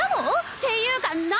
っていうか何？